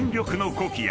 コキア！